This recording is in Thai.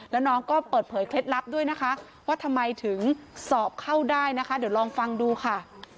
แล้วน้องก็เปิดเผยเคล็ดลับด้วยนะคะว่าทำไมถึงสอบเข้าได้นะคะเดี๋ยวลองฟังดูค่ะ